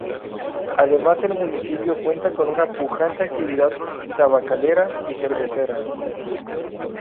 Además el municipio cuenta con una pujante actividad tabacalera y cervecera.